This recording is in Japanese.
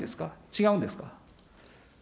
違うんですか。